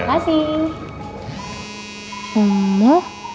kita tunggu ya makasih